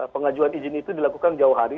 pengajuan izin itu dilakukan jauh hari